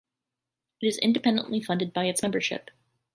It is independently funded by its membership.